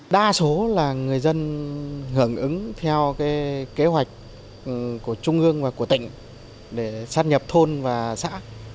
đa số là người dân hưởng ứng theo kế hoạch của trung ương và của tỉnh để sát nhập thôn và xã